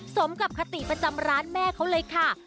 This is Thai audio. สมกับคติประจำร้านแม่เขาเลยค่ะ